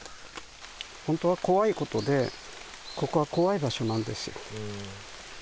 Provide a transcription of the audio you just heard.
本当は怖いことで、ここは怖い場所なんですよ。